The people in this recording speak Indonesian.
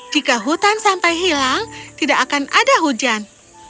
jika hutan sampai hilang tidak akan ada hujan